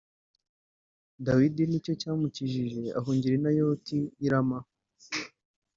Dawidi nicyo cyamukijije ahungira i Nayoti i Rama